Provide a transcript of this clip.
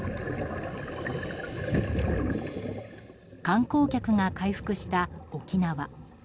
観光客が回復した沖縄。